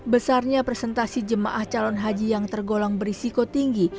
besarnya presentasi jemaah calon haji yang tergolong berisiko tinggi